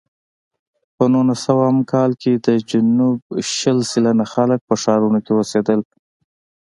په نولس سوه کال کې د جنوب شل سلنه خلک په ښارونو کې اوسېدل.